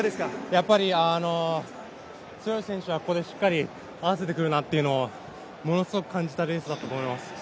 やっぱり強い選手は、ここでしっかり合わせてくるなというのをものすごく感じたレースだったと思います。